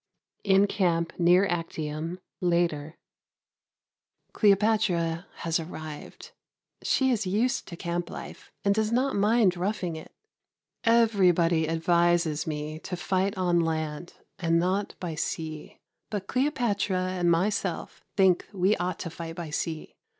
In Camp near Actium, later. Cleopatra has arrived. She is used to camp life and does not mind roughing it. Everybody advises me to fight on land and not by sea, but Cleopatra and myself think we ought to fight by sea.